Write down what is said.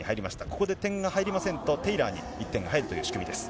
ここで点が入りませんと、テイラーに１点が入るという仕組みです。